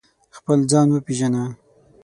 خپل ځان و پېژنه